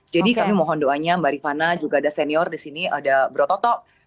jadi kami mohon doanya mbak rifana juga ada senior di sini ada bro toto